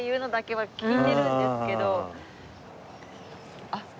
はい。